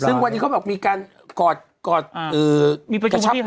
ซึ่งวันนี้เขาบอกมีการกอดกระชับ